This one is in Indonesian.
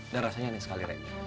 dan rasanya aneh sekali rek